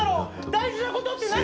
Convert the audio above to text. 大事なことって何？